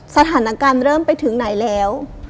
สถานการณ์เริ่มไปถึงไหนแล้ว